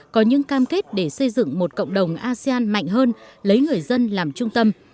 có những cam kết để xây dựng một cộng đồng asean mạnh hơn lấy người dân làm trung tâm